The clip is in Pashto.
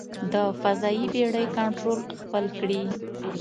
د فضايي بېړۍ کنټرول خپل کړي.